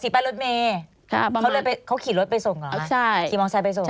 อ๋อสีป้ายรถเมเขาขี่รถไปส่งเหรอใช่